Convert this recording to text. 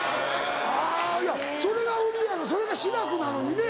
あぁいやそれが売りやろそれが志らくなのにね。